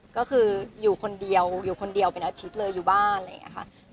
ก็คืออยู่คนเดียวเป็นอาทิตย์เลยอยู่บ้านอะไรอย่างนี้ค่ะ